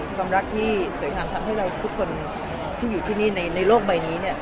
ความรักที่สวยงามทำให้เราทุกคนที่อยู่ที่นี่ในโลกใบนี้